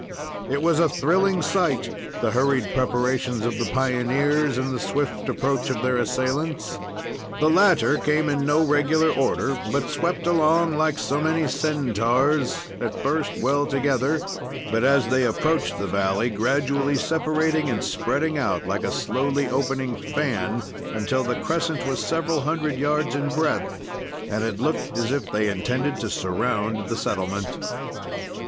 It was a thrilling sight, the hurried preparations of the pioneers, and the swift approach of their assailants. The latter came in no regular order, but swept along like so many Centaurs, at first well together, but, as they approached the valley, gradually separating and spreading out, like a slowly opening fan, until the crescent was several hundred yards in breadth, and it looked as if they intended to surround the settlement.